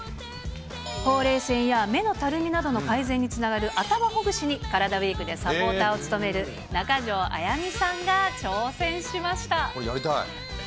ほうれい線や目のたるみなどの改善につながる頭ほぐしに、カラダＷＥＥＫでサポーターを務める中条あやみさんが挑戦しました。